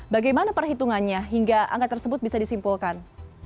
bagaimana perhitungannya hingga angka tersebut bisa disimpulkan